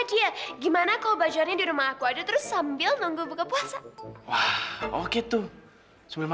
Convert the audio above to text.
sampai jumpa di video selanjutnya